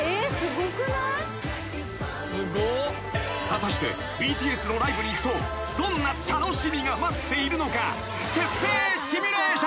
［果たしてＢＴＳのライブに行くとどんな楽しみが待っているのか］